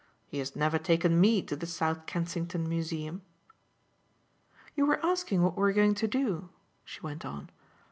He has never taken ME to the South Kensington Museum." "You were asking what we're going to do," she went on.